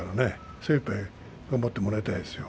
精いっぱい頑張ってもらいたいですよ。